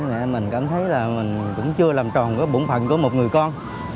mẹ mình cảm thấy là mình cũng chưa làm tròn bổn phận của một người con